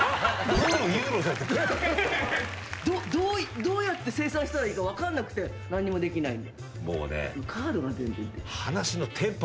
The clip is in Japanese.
どうやって清算したらいいか分かんなくて何にもできないんで。